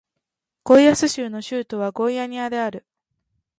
ゴイアス州の州都はゴイアニアである